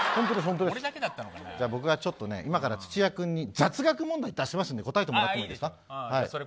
僕が、ちょっと今から土屋君にね問題を出しますので答えてもらってもいいですか。